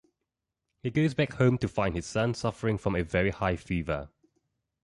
He goes back home to find his son suffering from a very high fever.